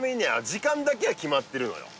時間だけは決まってるのよ